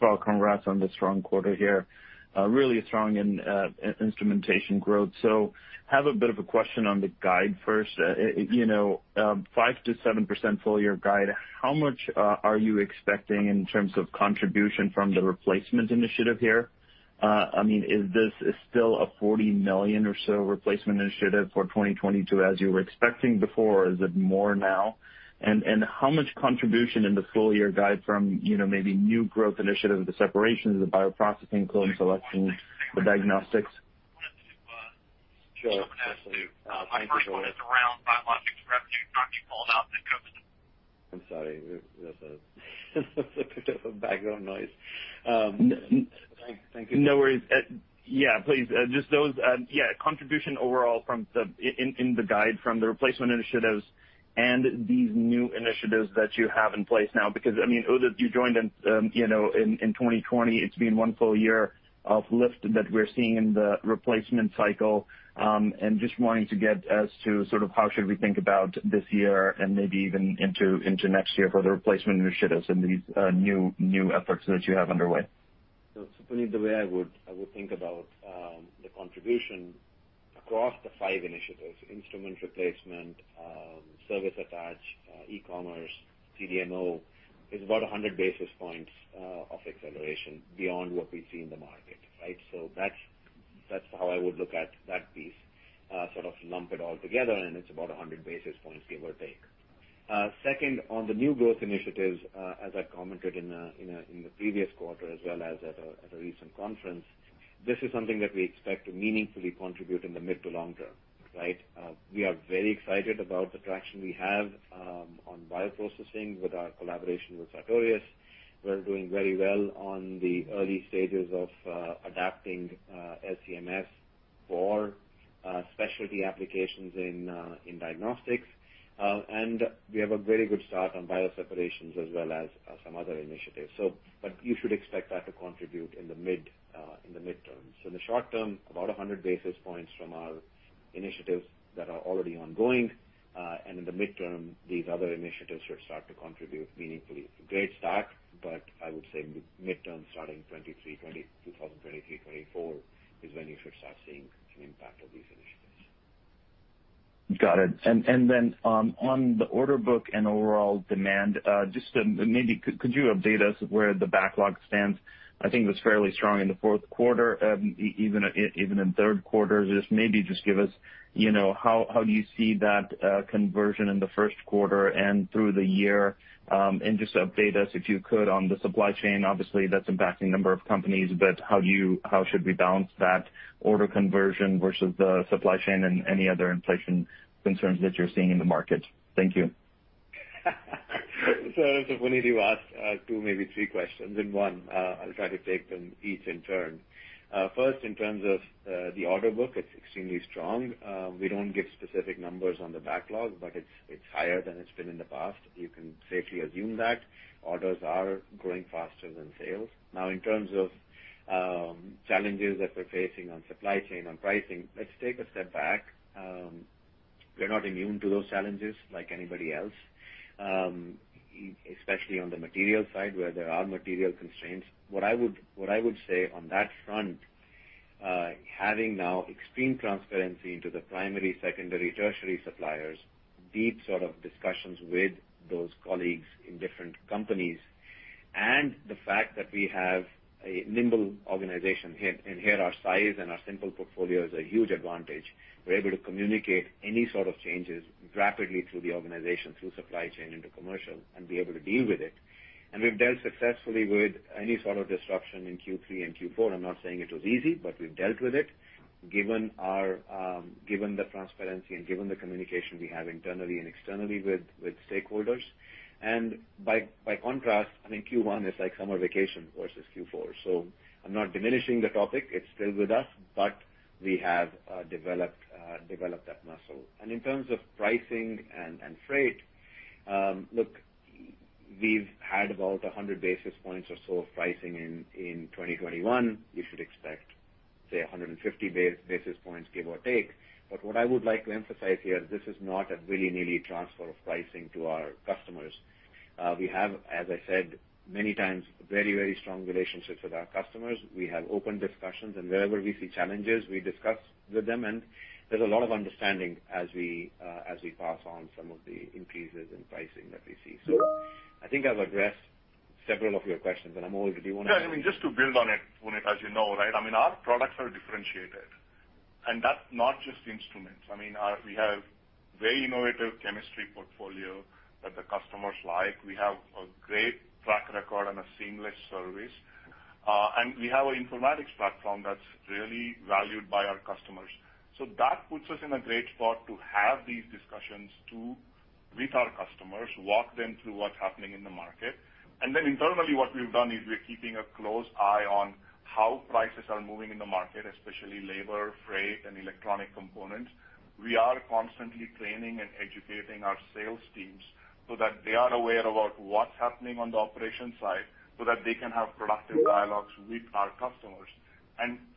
of all, congrats on the strong quarter here. Really strong in instrumentation growth. Have a bit of a question on the guide first. You know, 5%-7% full year guide, how much are you expecting in terms of contribution from the replacement initiative here? I mean, is this still a $40 million or so replacement initiative for 2022 as you were expecting before, or is it more now? And how much contribution in the full year guide from, you know, maybe new growth initiatives, the separations, the bioprocessing, clone selection, the diagnostics? Sure. Thank you so much. I'm sorry. That's picked up a background noise. Thank you. No worries. Yeah, please, just those, yeah, contribution overall from the in the guide from the replacement initiatives and these new initiatives that you have in place now. Because, I mean, Udit, you joined in, you know, in 2020. It's been one full year of lift that we're seeing in the replacement cycle. And just wanting to get a sense as to sort of how should we think about this year and maybe even into next year for the replacement initiatives and these new efforts that you have underway. Puneet, the way I would think about the contribution across the five initiatives, instrument replacement, service attach, e-commerce, CDMO, is about 100 basis points of acceleration beyond what we see in the market, right? That's how I would look at that piece, sort of lump it all together, and it's about 100 basis points, give or take. Second, on the new growth initiatives, as I commented in the previous quarter as well as at a recent conference, this is something that we expect to meaningfully contribute in the mid to long term, right? We are very excited about the traction we have on bioprocessing with our collaboration with Sartorius. We're doing very well on the early stages of adapting LC-MS for specialty applications in diagnostics. We have a very good start on bioseparations as well as some other initiatives. You should expect that to contribute in the midterm. In the short term, about 100 basis points from our initiatives that are already ongoing. In the midterm, these other initiatives should start to contribute meaningfully. It's a great start, but I would say midterm, starting 2023, 2024, is when you should start seeing an impact of these initiatives. Got it. Then on the order book and overall demand, just maybe could you update us where the backlog stands? I think it was fairly strong in the fourth quarter, even in third quarter. Just maybe give us, you know, how do you see that conversion in the first quarter and through the year? Just update us, if you could, on the supply chain. Obviously, that's impacting a number of companies, but how should we balance that order conversion versus the supply chain and any other inflation concerns that you're seeing in the market? Thank you. Puneet, you asked two, maybe three questions in one. I'll try to take them each in turn. First, in terms of the order book, it's extremely strong. We don't give specific numbers on the backlog, but it's higher than it's been in the past. You can safely assume that. Orders are growing faster than sales. Now, in terms of challenges that we're facing on supply chain, on pricing, let's take a step back. We're not immune to those challenges like anybody else, especially on the material side, where there are material constraints. What I would say on that front, having now extreme transparency into the primary, secondary, tertiary suppliers, deep sort of discussions with those colleagues in different companies, and the fact that we have a nimble organization here, and here our size and our simple portfolio is a huge advantage, we're able to communicate any sort of changes rapidly through the organization, through supply chain into commercial and be able to deal with it. We've dealt successfully with any sort of disruption in Q3 and Q4. I'm not saying it was easy, but we've dealt with it given the transparency and given the communication we have internally and externally with stakeholders. By contrast, I mean, Q1 is like summer vacation versus Q4. I'm not diminishing the topic, it's still with us, but we have developed that muscle. In terms of pricing and freight, we've had about 100 basis points or so of pricing in 2021. You should expect, say, 150 basis points, give or take. What I would like to emphasize here, this is not a willy-nilly transfer of pricing to our customers. We have, as I said many times, very, very strong relationships with our customers. We have open discussions and wherever we see challenges, we discuss with them. There's a lot of understanding as we pass on some of the increases in pricing that we see. I think I've addressed several of your questions. Amol, do you wanna- Yeah, I mean, just to build on it, Puneet, as you know, right? I mean, our products are differentiated, and that's not just instruments. I mean, we have very innovative chemistry portfolio that the customers like. We have a great track record and a seamless service. And we have an informatics platform that's really valued by our customers. So that puts us in a great spot to have these discussions with our customers, walk them through what's happening in the market. And then internally, what we've done is we're keeping a close eye on how prices are moving in the market, especially labor, freight, and electronic components. We are constantly training and educating our sales teams so that they are aware about what's happening on the operations side, so that they can have productive dialogues with our customers.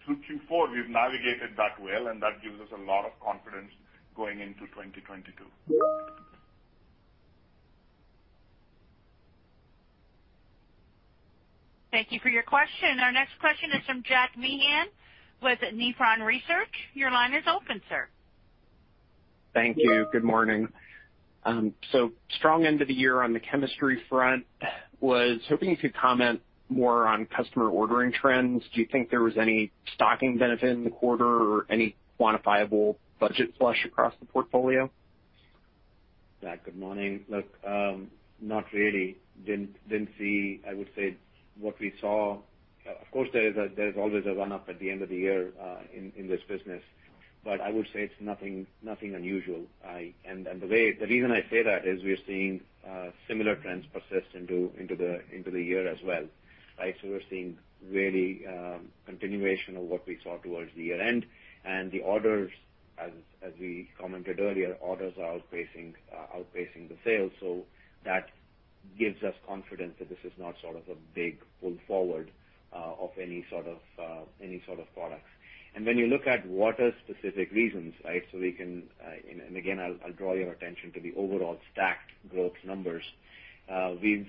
Through Q4, we've navigated that well, and that gives us a lot of confidence going into 2022. Thank you for your question. Our next question is from Jack Meehan with Nephron Research. Your line is open, sir. Thank you. Good morning. Strong end of the year on the chemistry front. I was hoping you could comment more on customer ordering trends? Do you think there was any stocking benefit in the quarter or any quantifiable budget flush across the portfolio? Jack, good morning. Look, not really. I would say what we saw. Of course there's always a run up at the end of the year, in this business. I would say it's nothing unusual. The reason I say that is we are seeing similar trends persist into the year as well, right? We're seeing really continuation of what we saw towards the year-end. The orders, as we commented earlier, orders are outpacing the sales. That gives us confidence that this is not sort of a big pull forward of any sort of products. When you look at what are specific reasons, right? Again, I'll draw your attention to the overall stacked growth numbers. We've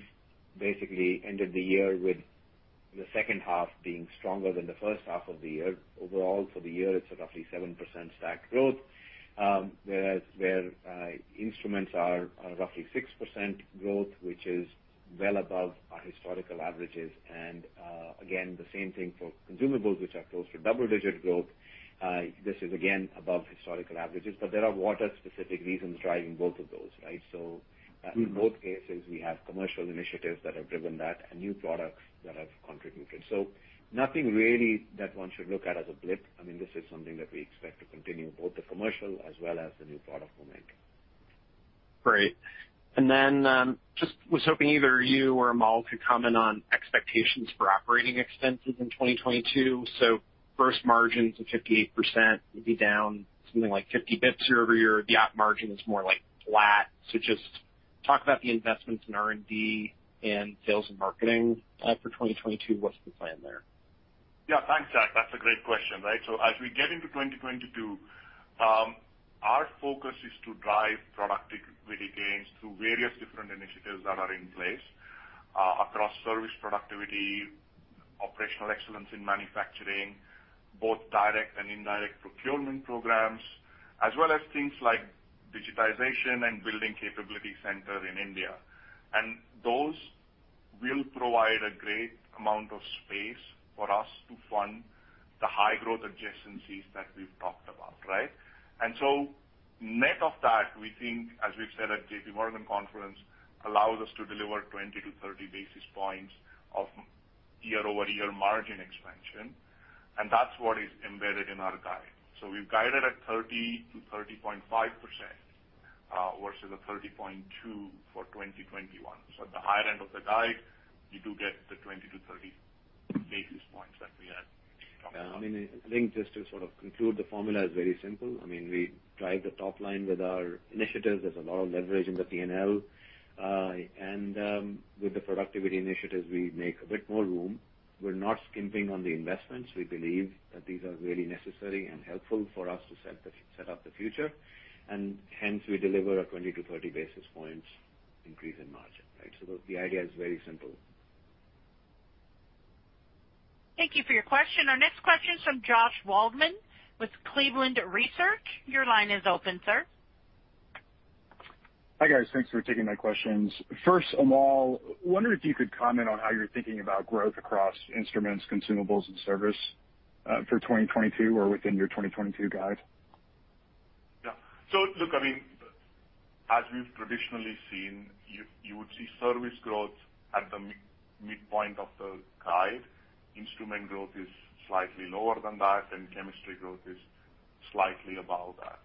basically ended the year with the second half being stronger than the first half of the year. Overall for the year, it's roughly 7% stacked growth, where instruments are roughly 6% growth, which is well above our historical averages. Again, the same thing for consumables which are close to double-digit growth. This is again above historical averages, but there are specific reasons driving both of those, right? In both cases, we have commercial initiatives that have driven that and new products that have contributed. Nothing really that one should look at as a blip. I mean, this is something that we expect to continue, both the commercial as well as the new product momentum. Great. Just was hoping either you or Amol could comment on expectations for operating expenses in 2022. Gross margins of 58% will be down something like 50 basis points year-over-year. The op margin is more like flat. Just talk about the investments in R&D and sales and marketing for 2022. What's the plan there? Yeah, thanks, Jack. That's a great question, right? As we get into 2022, our focus is to drive productivity gains through various different initiatives that are in place across service productivity, operational excellence in manufacturing, both direct and indirect procurement programs, as well as things like digitization and building capability center in India. Those will provide a great amount of space for us to fund the high growth adjacencies that we've talked about, right? Net of that, we think, as we've said at JPMorgan conference, allows us to deliver 20-30 basis points of year-over-year margin expansion. That's what is embedded in our guide. We've guided at 30%-30.5% versus the 30.2% for 2021. At the higher end of the guide, you do get the 20-30 basis points that we had talked about. Yeah, I mean, I think just to sort of conclude, the formula is very simple. I mean, we drive the top line with our initiatives. There's a lot of leverage in the P&L. With the productivity initiatives, we make a bit more room. We're not skimping on the investments. We believe that these are really necessary and helpful for us to set up the future, and hence we deliver a 20-30 basis points increase in margin, right? The idea is very simple. Thank you for your question. Our next question is from Josh Waldman with Cleveland Research. Your line is open, sir. Hi, guys. Thanks for taking my questions. First, Amol, wondering if you could comment on how you're thinking about growth across instruments, consumables and service for 2022 or within your 2022 guide? Yeah. Look, I mean, as we've traditionally seen, you would see service growth at the midpoint of the guide. Instrument growth is slightly lower than that, and chemistry growth is slightly above that.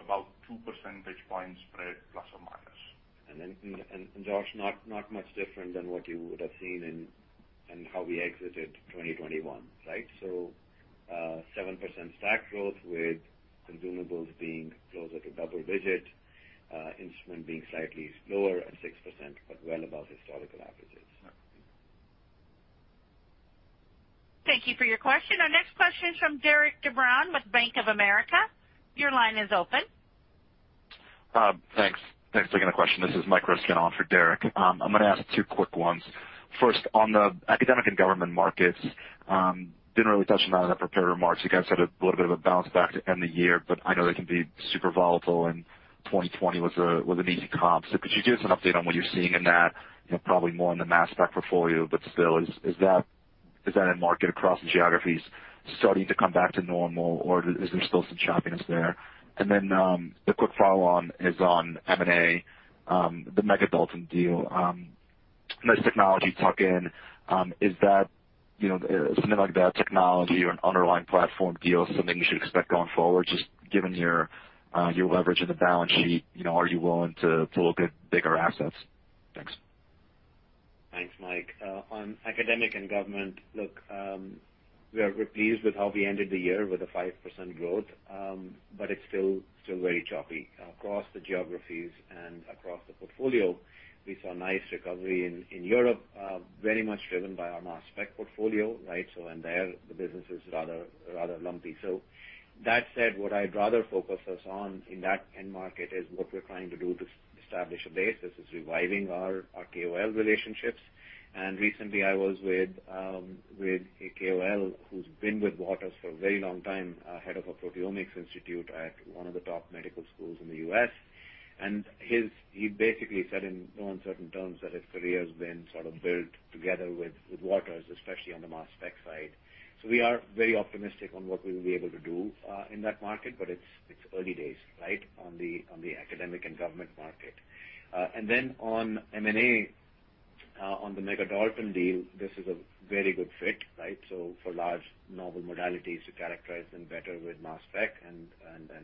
About 2 percentage points spread plus or minus. Josh, not much different than what you would have seen in how we exited 2021, right? 7% stack growth with consumables being closer to double-digit, instrument being slightly lower at 6%, but well above historical averages. Thank you for your question. Our next question is from Derik De Bruin with Bank of America. Your line is open. Thanks again for the question. This is Mike Ryskin on for Derik. I'm gonna ask two quick ones. First, on the academic and government markets, didn't really touch on that in the prepared remarks. You guys had a little bit of a bounce back to end the year, but I know they can be super volatile, and 2020 was an easy comp. So could you give us an update on what you're seeing in that? You know, probably more in the mass spec portfolio, but still, is that end market across the geographies starting to come back to normal, or is there still some choppiness there? And then, the quick follow-on is on M&A, the Megadalton Solutions deal. Nice technology tuck in, is that, you know, something like that technology or an underlying platform deal something you should expect going forward, just given your leverage in the balance sheet, you know, are you willing to look at bigger assets? Thanks. Thanks, Mike. On academic and government, look, we are pleased with how we ended the year with 5% growth, but it's still very choppy across the geographies and across the portfolio. We saw a nice recovery in Europe, very much driven by our mass spec portfolio, right? In there, the business is rather lumpy. That said, what I'd rather focus us on in that end market is what we're trying to do to establish a base. This is reviving our KOL relationships. Recently I was with a KOL who's been with Waters for a very long time, head of a proteomics institute at one of the top medical schools in the U.S. He basically said in no uncertain terms that his career has been sort of built together with Waters, especially on the mass spec side. We are very optimistic on what we will be able to do in that market, but it's early days, right? On the academic and government market. And then on M&A, on the Megadalton Solutions deal, this is a very good fit, right? For large novel modalities to characterize them better with mass spec, and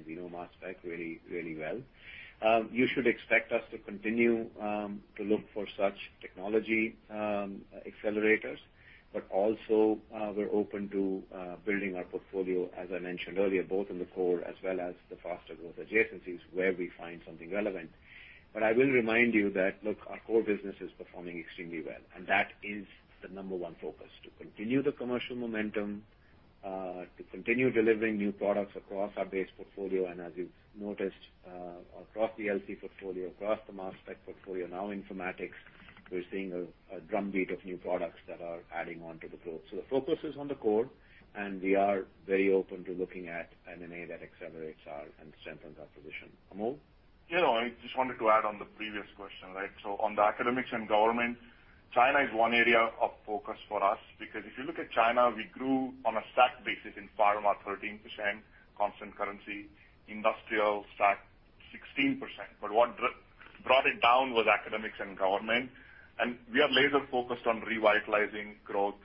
we know mass spec really well. You should expect us to continue to look for such technology accelerators, but also, we're open to building our portfolio, as I mentioned earlier, both in the core as well as the faster growth adjacencies where we find something relevant. I will remind you that, look, our core business is performing extremely well, and that is the number one focus, to continue the commercial momentum, to continue delivering new products across our base portfolio. As you've noticed, across the LC portfolio, across the mass spec portfolio, now informatics, we're seeing a drumbeat of new products that are adding on to the growth. The focus is on the core, and we are very open to looking at M&A that accelerates our and strengthens our position. Amol? Yeah, I just wanted to add on the previous question, right? On the academics and government, China is one area of focus for us because if you look at China, we grew on a stack basis in pharma 13% constant currency, industrial stack 16%. What brought it down was academics and government, and we are laser focused on revitalizing growth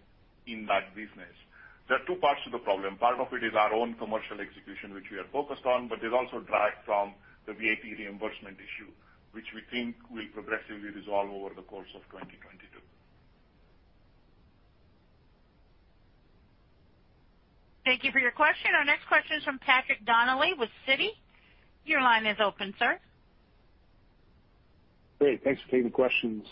in that business. There are two parts to the problem. Part of it is our own commercial execution, which we are focused on, but it's also dragged from the VBP reimbursement issue, which we think will progressively resolve over the course of 2022. Thank you for your question. Our next question is from Patrick Donnelly with Citi. Your line is open, sir. Great. Thanks for taking the questions.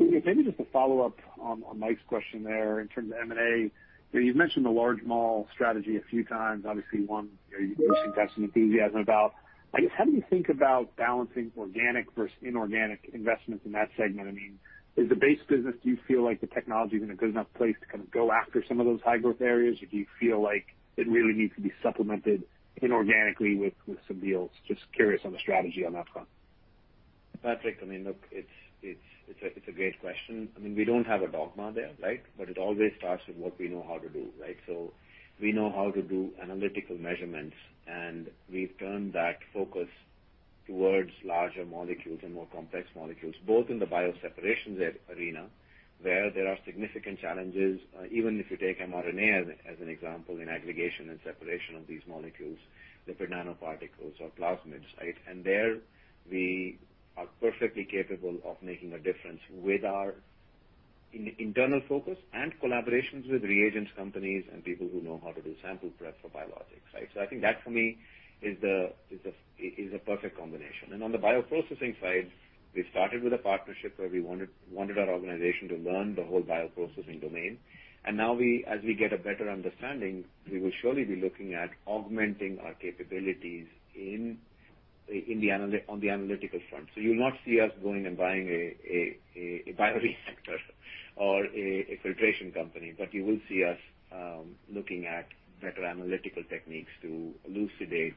Udit, maybe just a follow-up on Mike's question there in terms of M&A. You know, you've mentioned the large molecule strategy a few times, obviously one you seem to have some enthusiasm about. Like, how do you think about balancing organic versus inorganic investments in that segment? I mean, is the base business, do you feel like the technology is in a good enough place to kind of go after some of those high-growth areas? Or do you feel like it really needs to be supplemented inorganically with some deals? Just curious on the strategy on that front. Patrick, I mean, look, it's a great question. I mean, we don't have a dogma there, right? But it always starts with what we know how to do, right? So we know how to do analytical measurements, and we've turned that focus towards larger molecules and more complex molecules, both in the bioseparations arena, where there are significant challenges, even if you take mRNA as an example in aggregation and separation of these molecules, lipid nanoparticles or plasmids, right? And there we are perfectly capable of making a difference with our internal focus and collaborations with reagent companies and people who know how to do sample prep for biologics, right? So I think that for me is a perfect combination. On the bioprocessing side, we started with a partnership where we wanted our organization to learn the whole bioprocessing domain. Now as we get a better understanding, we will surely be looking at augmenting our capabilities on the analytical front. You'll not see us going and buying a bioreactor or a filtration company, but you will see us looking at better analytical techniques to elucidate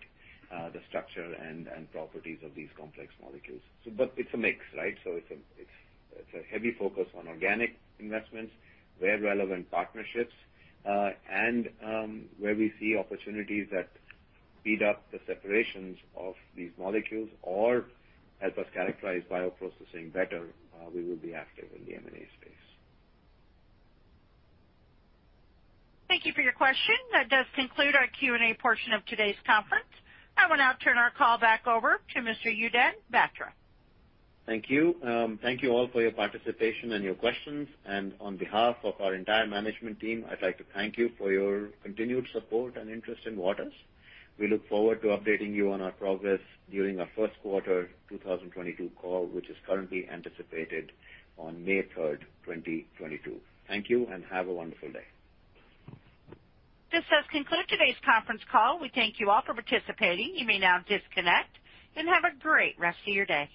the structure and properties of these complex molecules. But it's a mix, right? It's a heavy focus on organic investments, where relevant partnerships, and where we see opportunities that speed up the separations of these molecules or help us characterize bioprocessing better, we will be active in the M&A space. Thank you for your question. That does conclude our Q&A portion of today's conference. I will now turn our call back over to Mr. Udit Batra. Thank you. Thank you all for your participation and your questions. On behalf of our entire management team, I'd like to thank you for your continued support and interest in Waters. We look forward to updating you on our progress during our first quarter 2022 call, which is currently anticipated on May 3, 2022. Thank you, and have a wonderful day. This does conclude today's conference call. We thank you all for participating. You may now disconnect and have a great rest of your day.